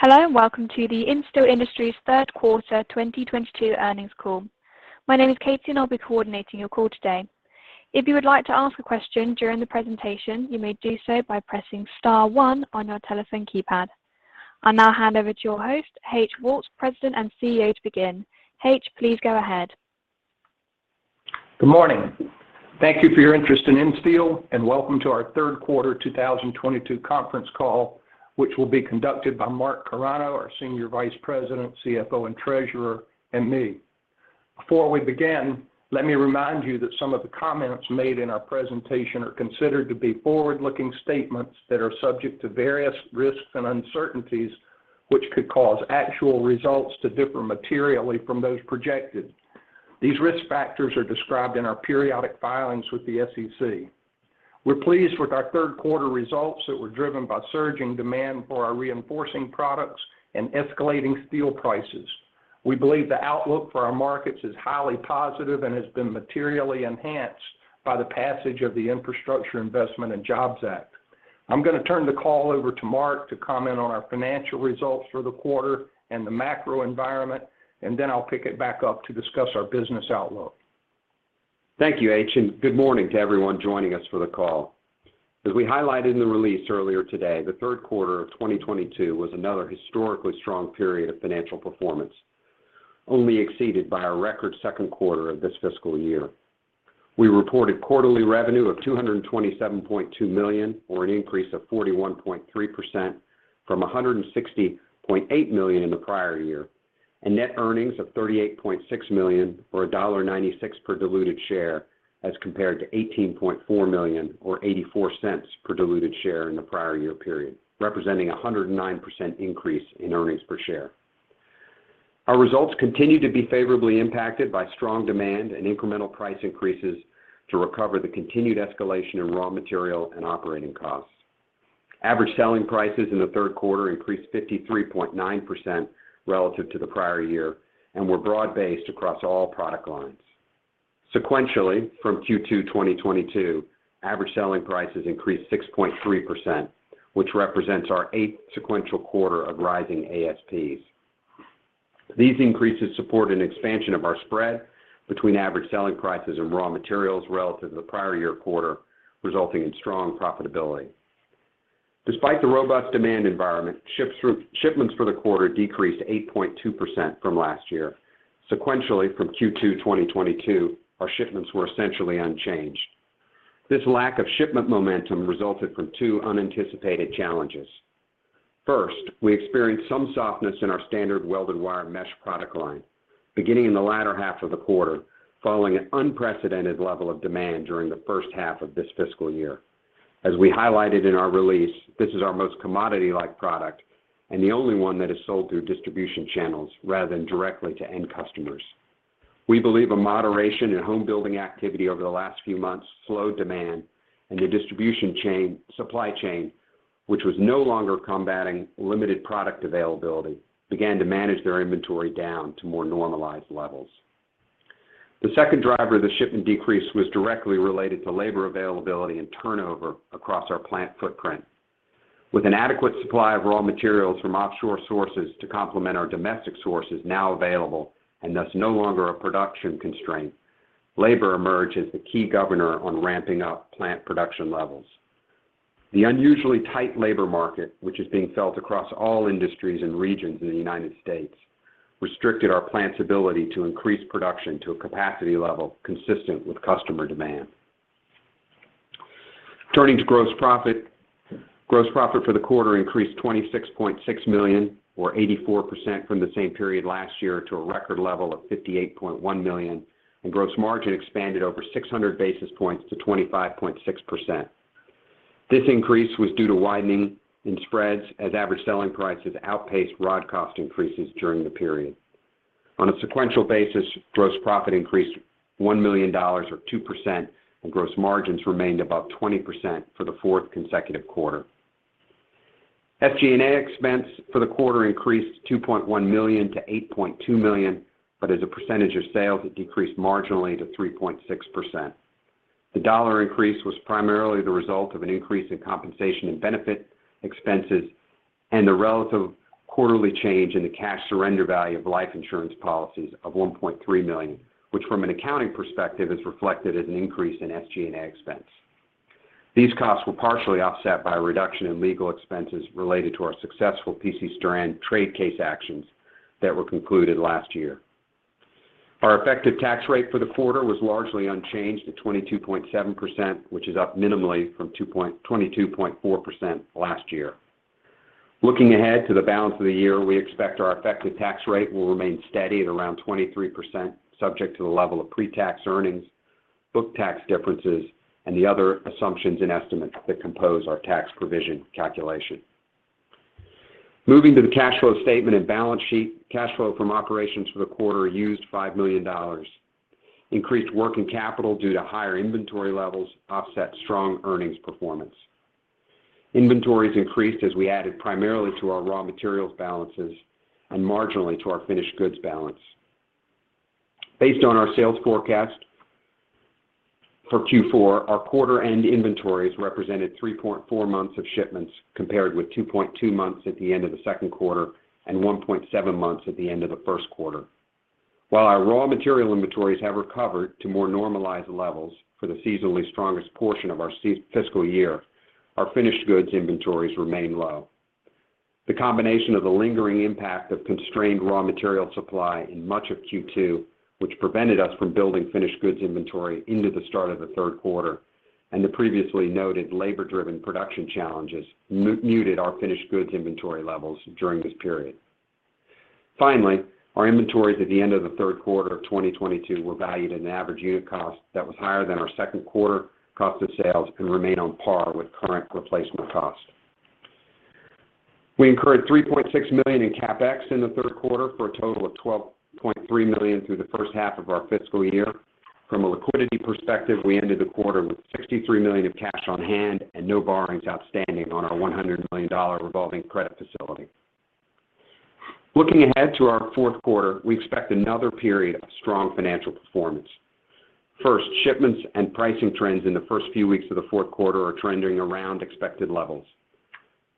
Hello, and welcome to the Insteel Industries' third quarter 2022 earnings call. My name is Katie, and I'll be coordinating your call today. If you would like to ask a question during the presentation, you may do so by pressing star one on your telephone keypad. I'll now hand over to your host, H.O. Woltz III, President and CEO, to begin. H.O., please go ahead. Good morning. Thank you for your interest in Insteel, and welcome to our third quarter 2022 conference call, which will be conducted by Mark Carano, our Senior Vice President, CFO, and Treasurer, and me. Before we begin, let me remind you that some of the comments made in our presentation are considered to be forward-looking statements that are subject to various risks and uncertainties, which could cause actual results to differ materially from those projected. These risk factors are described in our periodic filings with the SEC. We're pleased with our third quarter results that were driven by surging demand for our reinforcing products and escalating steel prices. We believe the outlook for our markets is highly positive and has been materially enhanced by the passage of the Infrastructure Investment and Jobs Act. I'm gonna turn the call over to Mark to comment on our financial results for the quarter and the macro environment, and then I'll pick it back up to discuss our business outlook. Thank you, H, and good morning to everyone joining us for the call. As we highlighted in the release earlier today, the third quarter of 2022 was another historically strong period of financial performance, only exceeded by our record second quarter of this fiscal year. We reported quarterly revenue of $227.2 million, or an increase of 41.3% from $160.8 million in the prior year, and net earnings of $38.6 million, or $1.96 per diluted share as compared to $18.4 million or $0.84 per diluted share in the prior year period, representing a 109% increase in earnings per share. Our results continued to be favorably impacted by strong demand and incremental price increases to recover the continued escalation in raw material and operating costs. Average selling prices in the third quarter increased 53.9% relative to the prior year and were broad-based across all product lines. Sequentially, from Q2 2022, average selling prices increased 6.3%, which represents our eighth sequential quarter of rising ASPs. These increases support an expansion of our spread between average selling prices and raw materials relative to the prior year quarter, resulting in strong profitability. Despite the robust demand environment, shipments for the quarter decreased 8.2% from last year. Sequentially from Q2 2022, our shipments were essentially unchanged. This lack of shipment momentum resulted from two unanticipated challenges. First, we experienced some softness in our standard welded wire mesh product line, beginning in the latter half of the quarter, following an unprecedented level of demand during the first half of this fiscal year. As we highlighted in our release, this is our most commodity-like product and the only one that is sold through distribution channels rather than directly to end customers. We believe a moderation in home building activity over the last few months slowed demand and the supply chain, which was no longer combating limited product availability, began to manage their inventory down to more normalized levels. The second driver of the shipment decrease was directly related to labor availability and turnover across our plant footprint. With an adequate supply of raw materials from offshore sources to complement our domestic sources now available and thus no longer a production constraint, labor emerged as the key governor on ramping up plant production levels. The unusually tight labor market, which is being felt across all industries and regions in the United States, restricted our plants' ability to increase production to a capacity level consistent with customer demand. Turning to gross profit. Gross profit for the quarter increased $26.6 million or 84% from the same period last year to a record level of $58.1 million, and gross margin expanded over 600 basis points to 25.6%. This increase was due to widening in spreads as average selling prices outpaced rod cost increases during the period. On a sequential basis, gross profit increased $1 million or 2%, and gross margins remained above 20% for the fourth consecutive quarter. SG&A expense for the quarter increased from $2.1 million to $8.2 million, but as a percentage of sales, it decreased marginally to 3.6%. The dollar increase was primarily the result of an increase in compensation and benefit expenses and the relative quarterly change in the cash surrender value of life insurance policies of $1.3 million, which from an accounting perspective, is reflected as an increase in SG&A expense. These costs were partially offset by a reduction in legal expenses related to our successful PC Strand trade case actions that were concluded last year. Our effective tax rate for the quarter was largely unchanged at 22.7%, which is up minimally from 22.4% last year. Looking ahead to the balance of the year, we expect our effective tax rate will remain steady at around 23% subject to the level of pre-tax earnings, book tax differences, and the other assumptions and estimates that compose our tax provision calculation. Moving to the cash flow statement and balance sheet, cash flow from operations for the quarter used $5 million. Increased working capital due to higher inventory levels offset strong earnings performance. Inventories increased as we added primarily to our raw materials balances and marginally to our finished goods balance. Based on our sales forecast for Q4, our quarter-end inventories represented 3.4 months of shipments compared with 2.2 months at the end of the second quarter and 1.7 months at the end of the first quarter. While our raw material inventories have recovered to more normalized levels for the seasonally strongest portion of our fiscal year, our finished goods inventories remain low. The combination of the lingering impact of constrained raw material supply in much of Q2, which prevented us from building finished goods inventory into the start of the third quarter and the previously noted labor-driven production challenges muted our finished goods inventory levels during this period. Finally, our inventories at the end of the third quarter of 2022 were valued at an average unit cost that was higher than our second quarter cost of sales and remain on par with current replacement cost. We incurred $3.6 million in CapEx in the third quarter for a total of $12.3 million through the first half of our fiscal year. From a liquidity perspective, we ended the quarter with $63 million of cash on hand and no borrowings outstanding on our $100 million revolving credit facility. Looking ahead to our fourth quarter, we expect another period of strong financial performance. First, shipments and pricing trends in the first few weeks of the fourth quarter are trending around expected levels.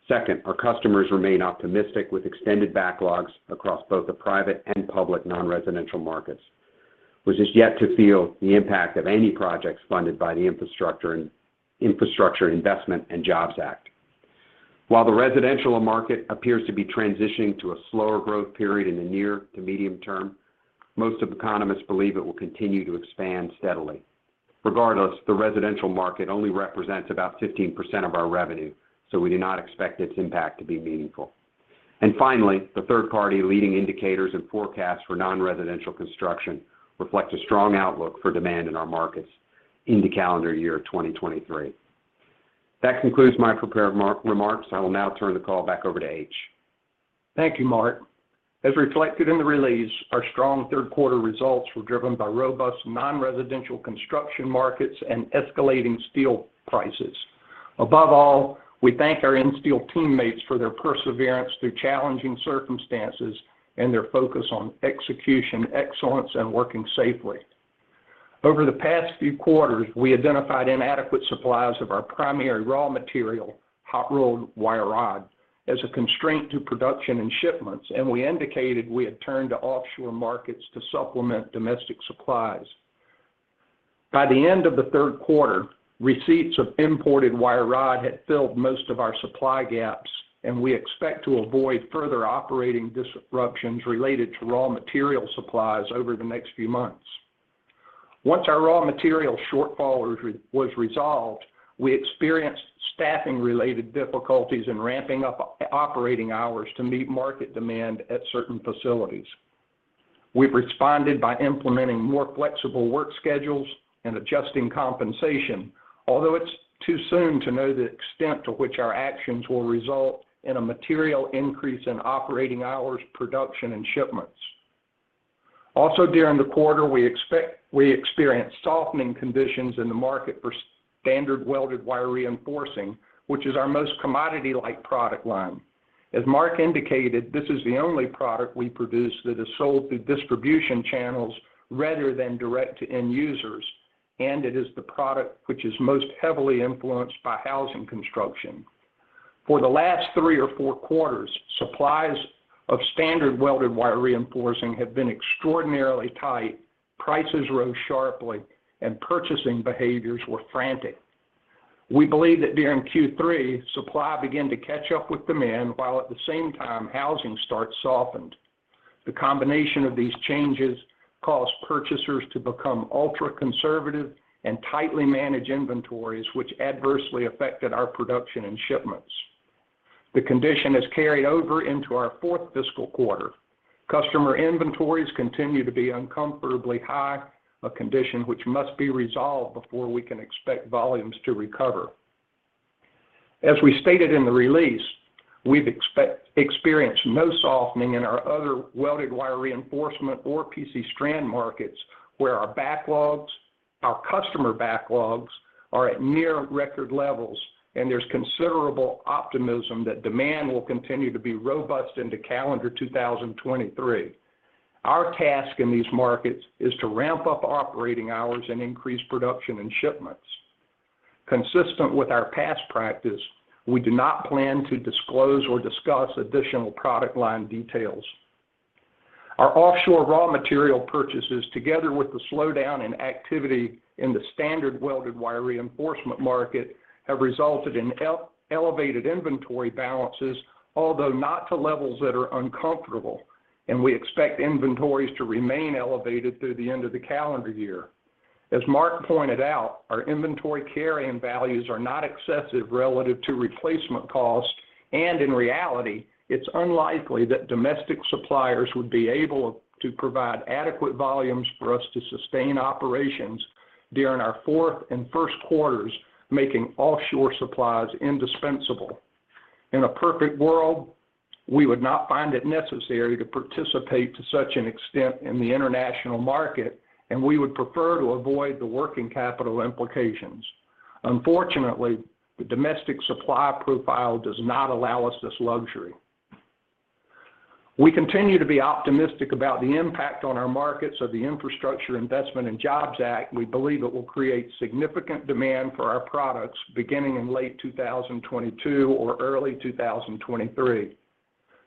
Second, our customers remain optimistic with extended backlogs across both the private and public non-residential markets, which is yet to feel the impact of any projects funded by the Infrastructure Investment and Jobs Act. While the residential market appears to be transitioning to a slower growth period in the near to medium term, most economists believe it will continue to expand steadily. Regardless, the residential market only represents about 15% of our revenue, so we do not expect its impact to be meaningful. Finally, the third party leading indicators and forecasts for non-residential construction reflect a strong outlook for demand in our markets into calendar year 2023. That concludes my prepared remarks. I will now turn the call back over to H. Thank you, Mark. As reflected in the release, our strong third quarter results were driven by robust non-residential construction markets and escalating steel prices. Above all, we thank our Insteel teammates for their perseverance through challenging circumstances and their focus on execution, excellence, and working safely. Over the past few quarters, we identified inadequate supplies of our primary raw material, hot-rolled wire rod, as a constraint to production and shipments, and we indicated we had turned to offshore markets to supplement domestic supplies. By the end of the third quarter, receipts of imported wire rod had filled most of our supply gaps, and we expect to avoid further operating disruptions related to raw material supplies over the next few months. Once our raw material shortfall was resolved, we experienced staffing-related difficulties in ramping up operating hours to meet market demand at certain facilities. We've responded by implementing more flexible work schedules and adjusting compensation, although it's too soon to know the extent to which our actions will result in a material increase in operating hours, production, and shipments. Also during the quarter, we experienced softening conditions in the market for standard welded wire reinforcement, which is our most commodity-like product line. As Mark indicated, this is the only product we produce that is sold through distribution channels rather than direct to end users, and it is the product which is most heavily influenced by housing construction. For the last three or four quarters, supplies of standard welded wire reinforcement have been extraordinarily tight, prices rose sharply, and purchasing behaviors were frantic. We believe that during Q3, supply began to catch up with demand, while at the same time, housing starts softened. The combination of these changes caused purchasers to become ultra-conservative and tightly manage inventories, which adversely affected our production and shipments. The condition has carried over into our fourth fiscal quarter. Customer inventories continue to be uncomfortably high, a condition which must be resolved before we can expect volumes to recover. As we stated in the release, we've experienced no softening in our other welded wire reinforcement or PC Strand markets, where our backlogs, our customer backlogs are at near record levels, and there's considerable optimism that demand will continue to be robust into calendar 2023. Our task in these markets is to ramp up operating hours and increase production and shipments. Consistent with our past practice, we do not plan to disclose or discuss additional product line details. Our offshore raw material purchases, together with the slowdown in activity in the standard welded wire reinforcement market, have resulted in elevated inventory balances, although not to levels that are uncomfortable, and we expect inventories to remain elevated through the end of the calendar year. As Mark pointed out, our inventory carrying values are not excessive relative to replacement cost, and in reality, it's unlikely that domestic suppliers would be able to provide adequate volumes for us to sustain operations during our fourth and first quarters, making offshore supplies indispensable. In a perfect world, we would not find it necessary to participate to such an extent in the international market, and we would prefer to avoid the working capital implications. Unfortunately, the domestic supply profile does not allow us this luxury. We continue to be optimistic about the impact on our markets of the Infrastructure Investment and Jobs Act. We believe it will create significant demand for our products beginning in late 2022 or early 2023.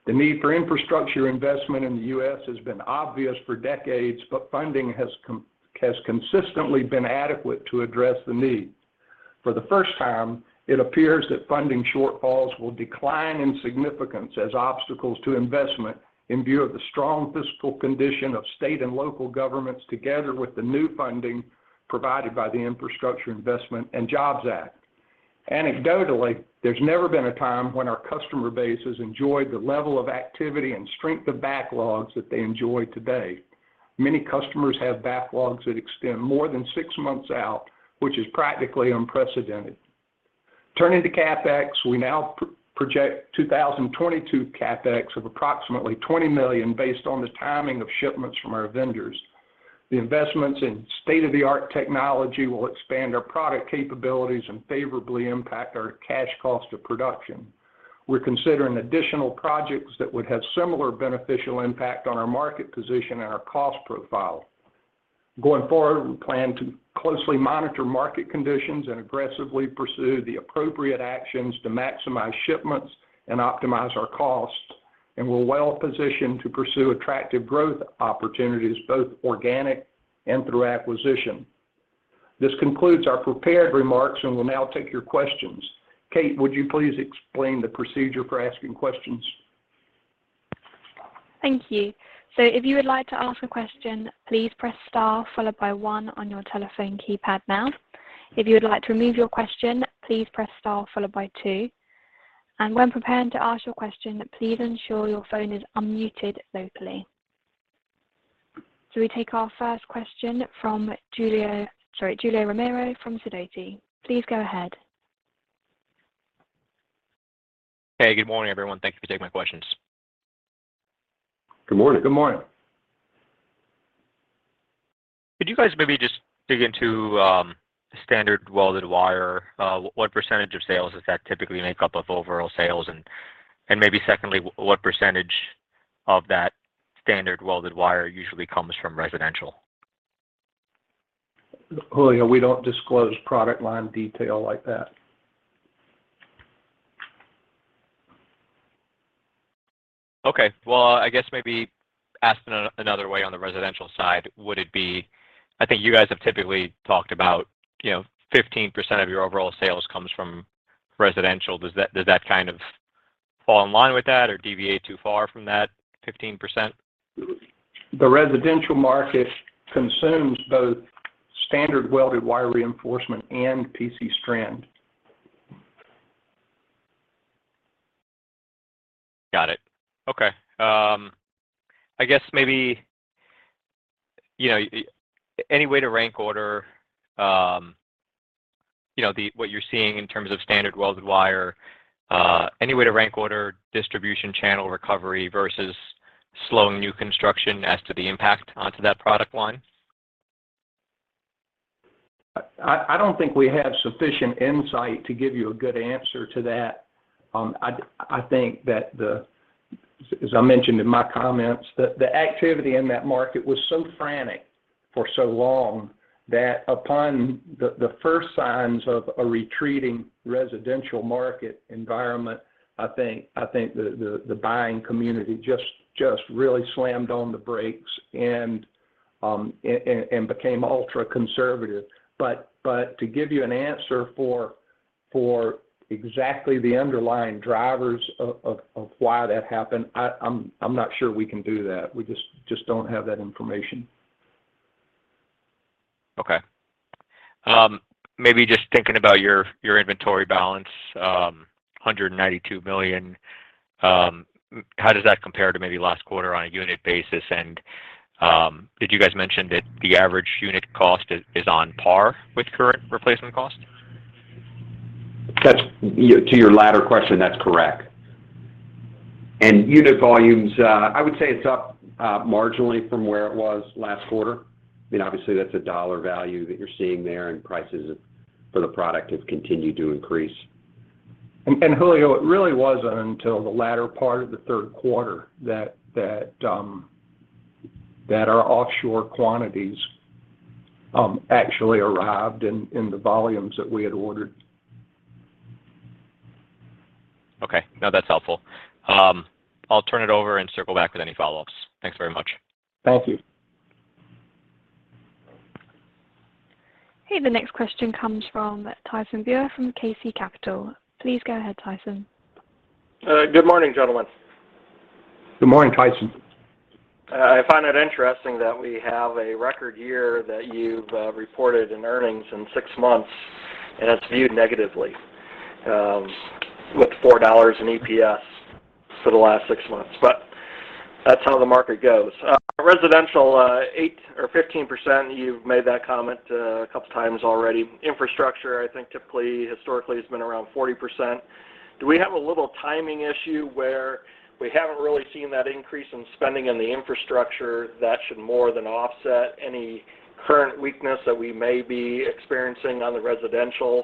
The need for infrastructure investment in the U.S. has been obvious for decades, but funding has consistently been adequate to address the need. For the first time, it appears that funding shortfalls will decline in significance as obstacles to investment in view of the strong fiscal condition of state and local governments together with the new funding provided by the Infrastructure Investment and Jobs Act. Anecdotally, there's never been a time when our customer base has enjoyed the level of activity and strength of backlogs that they enjoy today. Many customers have backlogs that extend more than six months out, which is practically unprecedented. Turning to CapEx, we now project 2022 CapEx of approximately $20 million based on the timing of shipments from our vendors. The investments in state-of-the-art technology will expand our product capabilities and favorably impact our cash cost of production. We're considering additional projects that would have similar beneficial impact on our market position and our cost profile. Going forward, we plan to closely monitor market conditions and aggressively pursue the appropriate actions to maximize shipments and optimize our costs, and we're well positioned to pursue attractive growth opportunities, both organic and through acquisition. This concludes our prepared remarks, and we'll now take your questions. Kate, would you please explain the procedure for asking questions? Thank you. If you would like to ask a question, please press star followed by one on your telephone keypad now. If you would like to remove your question, please press star followed by two. When preparing to ask your question, please ensure your phone is unmuted locally. We take our first question from Julio Romero from Sidoti & Company. Please go ahead. Hey, good morning, everyone. Thank you for taking my questions. Good morning. Good morning. Could you guys maybe just dig into standard welded wire? What percentage of sales does that typically make up of overall sales? Maybe secondly, what percentage of that standard welded wire usually comes from residential? Julio, we don't disclose product line detail like that. Okay. Well, I guess maybe asked another way on the residential side, would it be, I think you guys have typically talked about, you know, 15% of your overall sales comes from residential. Does that kind of fall in line with that or deviate too far from that 15%? The residential market consumes both standard welded wire reinforcement and PC Strand. Got it. Okay. I guess maybe, you know, any way to rank order, you know, what you're seeing in terms of standard welded wire, any way to rank order distribution channel recovery versus slowing new construction as to the impact onto that product line? I don't think we have sufficient insight to give you a good answer to that. I think that, as I mentioned in my comments, the activity in that market was so frantic for so long that upon the first signs of a retreating residential market environment, I think the buying community just really slammed on the brakes and became ultra-conservative. To give you an answer for exactly the underlying drivers of why that happened, I'm not sure we can do that. We just don't have that information. Okay. Maybe just thinking about your inventory balance, $192 million, how does that compare to maybe last quarter on a unit basis? Did you guys mention that the average unit cost is on par with current replacement cost? To your latter question, that's correct. Unit volumes, I would say it's up marginally from where it was last quarter. I mean, obviously that's a dollar value that you're seeing there, and prices for the product have continued to increase. Julio, it really wasn't until the latter part of the third quarter that our offshore quantities actually arrived in the volumes that we had ordered. Okay. No, that's helpful. I'll turn it over and circle back with any follow-ups. Thanks very much. Thank you. Okay. The next question comes from Tyson Bauer from KC Capital. Please go ahead, Tyson. Good morning, gentlemen. Good morning, Tyson. I find it interesting that we have a record year that you've reported in earnings in six months, and it's viewed negatively, with $4 in EPS for the last six months. That's how the market goes. Residential, 8% or 15%, you've made that comment a couple of times already. Infrastructure, I think typically historically has been around 40%. Do we have a little timing issue where we haven't really seen that increase in spending in the infrastructure that should more than offset any current weakness that we may be experiencing on the residential.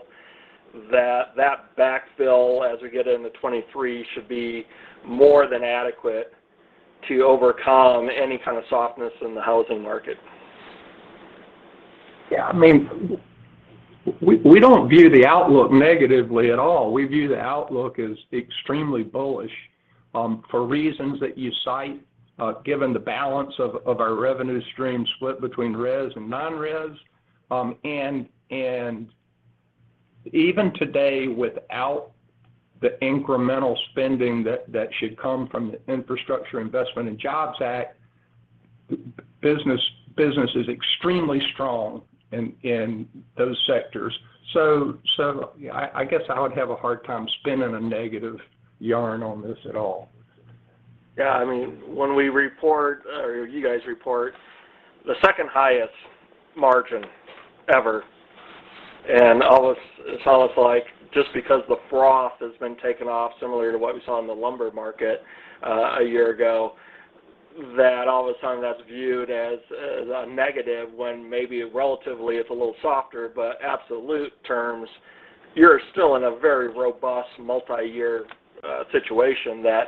That backfill as we get into 2023 should be more than adequate to overcome any kind of softness in the housing market. Yeah, I mean, we don't view the outlook negatively at all. We view the outlook as extremely bullish, for reasons that you cite, given the balance of our revenue stream split between res and non-res. Even today, without the incremental spending that should come from the Infrastructure Investment and Jobs Act, business is extremely strong in those sectors. Yeah, I guess I would have a hard time spinning a negative yarn on this at all. Yeah. I mean, when we report, or you guys report the second highest margin ever, and it's almost like just because the froth has been taken off similar to what we saw in the lumber market a year ago, that all of a sudden that's viewed as a negative when maybe relatively it's a little softer. But absolute terms, you're still in a very robust multi-year situation that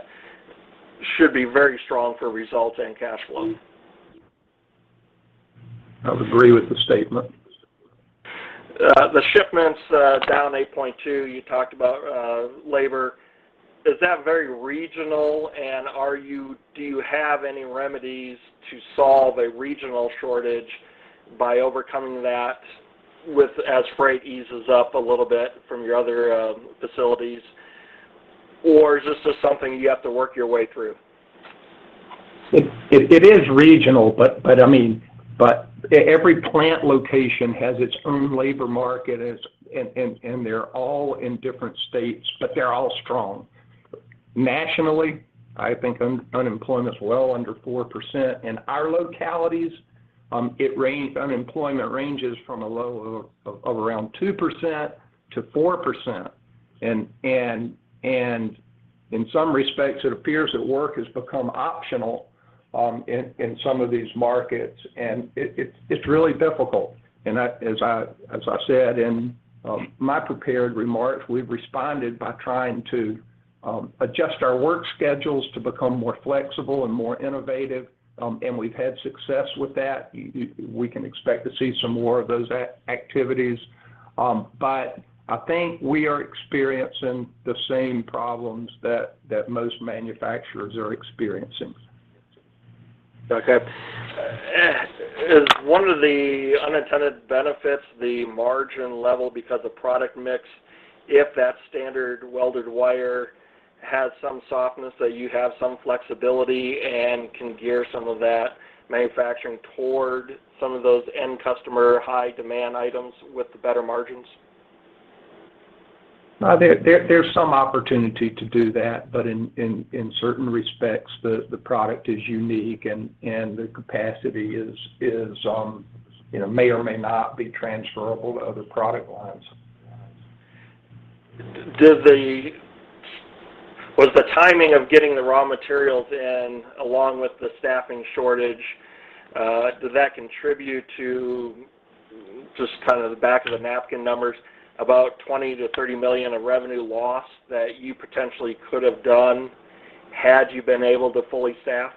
should be very strong for results and cash flow. I would agree with the statement. The shipments down 8.2%, you talked about, labor. Is that very regional, and do you have any remedies to solve a regional shortage by overcoming that with as freight eases up a little bit from your other facilities? Or is this just something you have to work your way through? It is regional, but I mean, every plant location has its own labor market. They're all in different states, but they're all strong. Nationally, I think unemployment's well under 4%. In our localities, unemployment ranges from a low of around 2% to 4%. In some respects, it appears that work has become optional in some of these markets, and it's really difficult. I, as I said in my prepared remarks, we've responded by trying to adjust our work schedules to become more flexible and more innovative. We've had success with that. We can expect to see some more of those activities. But I think we are experiencing the same problems that most manufacturers are experiencing. Okay. Is one of the unintended benefits the margin level because of product mix, if that standard welded wire has some softness, that you have some flexibility and can gear some of that manufacturing toward some of those end customer high demand items with the better margins? There's some opportunity to do that. In certain respects, the product is unique and the capacity is, you know, may or may not be transferable to other product lines. Was the timing of getting the raw materials in along with the staffing shortage does that contribute to just kind of the back of the napkin numbers about $20 million to $30 million of revenue loss that you potentially could have done had you been able to fully staff?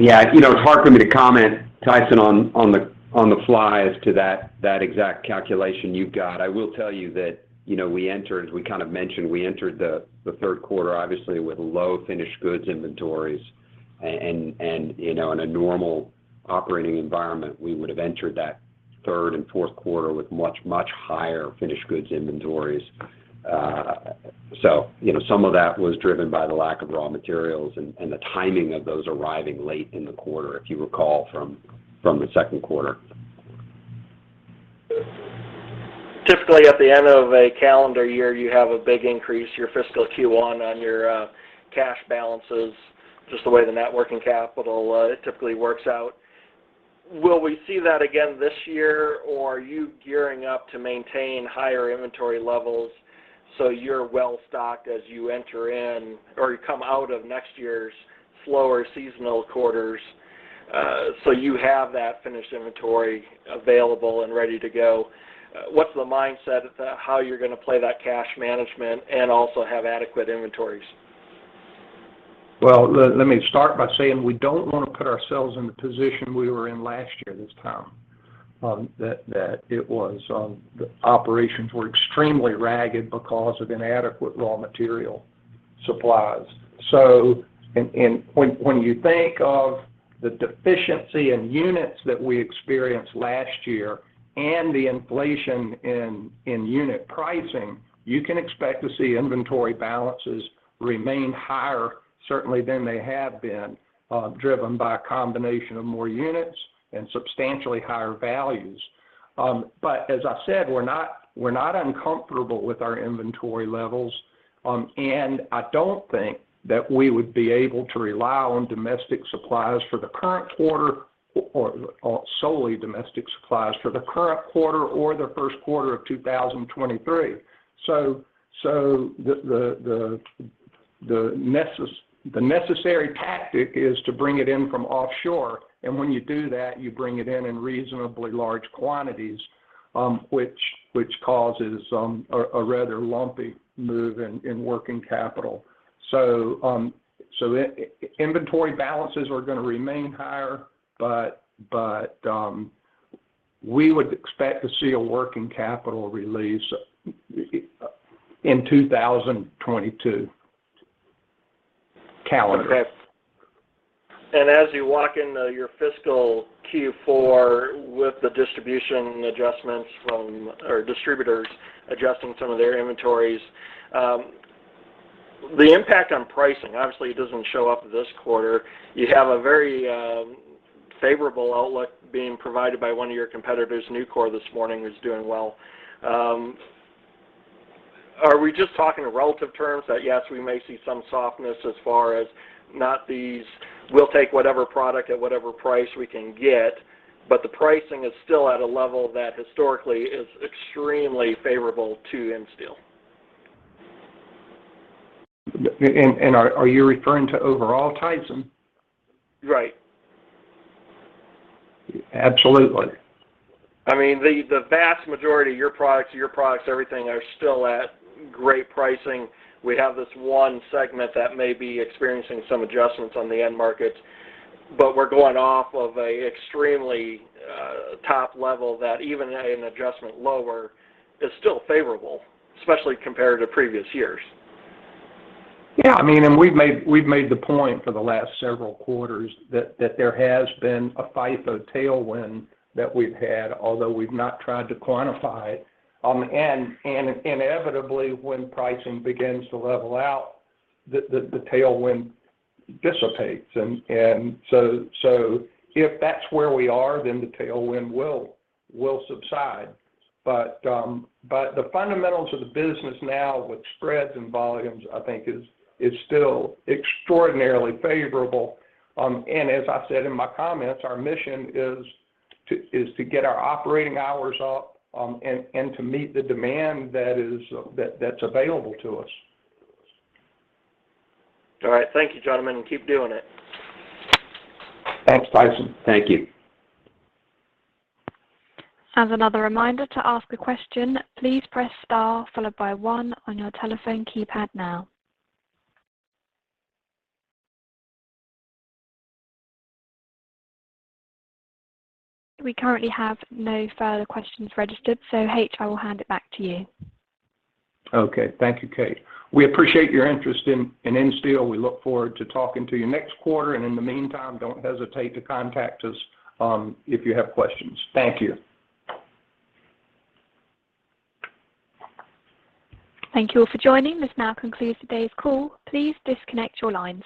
Yeah. You know, it's hard for me to comment, Tyson, on the fly as to that exact calculation you've got. I will tell you that, you know, we entered, as we kind of mentioned, the third quarter obviously with low finished goods inventories. You know, in a normal operating environment, we would've entered that third and fourth quarter with much higher finished goods inventories. You know, some of that was driven by the lack of raw materials and the timing of those arriving late in the quarter, if you recall from the second quarter. Typically, at the end of a calendar year, you have a big increase in your fiscal Q1 in your cash balances, just the way the net working capital typically works out. Will we see that again this year, or are you gearing up to maintain higher inventory levels so you're well stocked as you enter in or you come out of next year's slower seasonal quarters, so you have that finished inventory available and ready to go? What's the mindset of how you're gonna play that cash management and also have adequate inventories? Well, let me start by saying we don't wanna put ourselves in the position we were in last year this time, the operations were extremely ragged because of inadequate raw material supplies. When you think of the deficiency in units that we experienced last year and the inflation in unit pricing, you can expect to see inventory balances remain higher certainly than they have been, driven by a combination of more units and substantially higher values. As I said, we're not uncomfortable with our inventory levels. I don't think that we would be able to rely on domestic supplies for the current quarter or solely domestic supplies for the current quarter or the first quarter of 2023. The necessary tactic is to bring it in from offshore. When you do that, you bring it in in reasonably large quantities, which causes a rather lumpy move in working capital. Inventory balances are gonna remain higher, but we would expect to see a working capital release in 2022 calendar. Okay. As you walk into your fiscal Q4 with the distribution adjustments from your distributors adjusting some of their inventories, the impact on pricing obviously doesn't show up this quarter. You have a very favorable outlook being provided by one of your competitors. Nucor this morning is doing well. Are we just talking relative terms that, yes, we may see some softness as far as these will take whatever product at whatever price we can get, but the pricing is still at a level that historically is extremely favorable to Insteel? are you referring to overall types? Right. Absolutely. I mean, the vast majority of your products, everything are still at great pricing. We have this one segment that may be experiencing some adjustments on the end markets, but we're going off of an extremely top level that even at an adjustment lower is still favorable, especially compared to previous years. Yeah. I mean, we've made the point for the last several quarters that there has been a FIFO tailwind that we've had, although we've not tried to quantify it. Inevitably, when pricing begins to level out, the tailwind dissipates. So if that's where we are, then the tailwind will subside. The fundamentals of the business now with spreads and volumes, I think is still extraordinarily favorable. As I said in my comments, our mission is to get our operating hours up, and to meet the demand that's available to us. All right. Thank you, gentlemen, and keep doing it. Thanks, Tyson. Thank you. As another reminder, to ask a question, please press star followed by one on your telephone keypad now. We currently have no further questions registered. H, I will hand it back to you. Okay. Thank you, Kate. We appreciate your interest in Insteel. We look forward to talking to you next quarter. In the meantime, don't hesitate to contact us, if you have questions. Thank you. Thank you all for joining. This now concludes today's call. Please disconnect your lines.